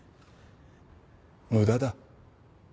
無駄だ。